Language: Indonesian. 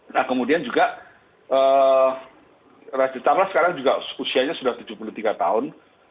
nah kemudian juga raja tamlah sekarang juga usianya sudah tujuh puluh tiga tahun